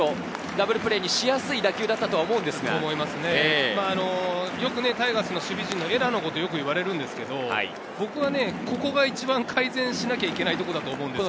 ダブルプレーにしやすい打球だっよくタイガースの守備陣がエラーのことを言われるんですけど、僕はここが一番改善しなきゃいけないところだと思うんです。